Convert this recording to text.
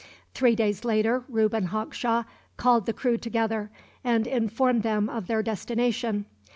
Three days later Reuben Hawkshaw called the crew together, and informed them of their destination.